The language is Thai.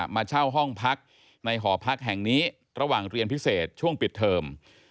มาเช่าห้องพักในหอพักแห่งนี้ระหว่างเรียนพิเศษช่วงปิดเทอม